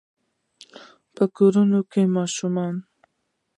په کورونو کې به ماشومانو،